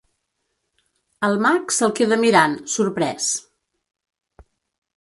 El mag se'l queda mirant, sorprès.